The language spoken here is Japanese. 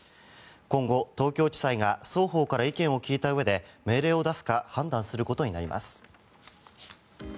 今後、東京地裁が双方から意見を聞いたうえで命令を出すか判断することになります。